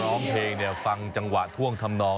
ร้องเพลงเนี่ยฟังจังหวะท่วงทำนอง